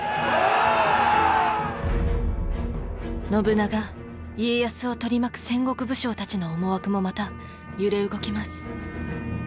信長家康を取り巻く戦国武将たちの思惑もまた揺れ動きます。